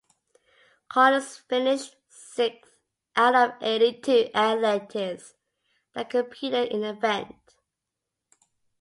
Collins finished sixth out of the eighty-two athletes that competed in the event.